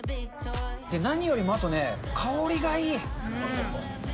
何よりもあとね、香りがいい。